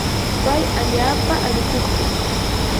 pay allaapa arukuqmi.